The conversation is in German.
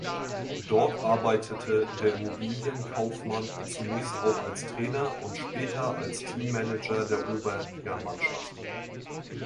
Dort arbeitete der Immobilienkaufmann zunächst auch als Trainer und später als Teammanager der Oberliga-Mannschaft.